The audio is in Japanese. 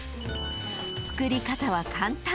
［作り方は簡単］